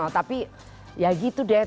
tapi ya gitu deh